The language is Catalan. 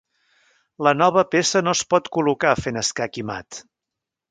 La nova peça no es pot col·locar fent escac i mat.